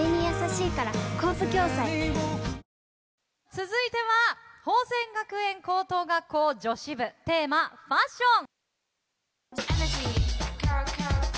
続いては、宝仙学園高等学校女子部、テーマ「ファッション」。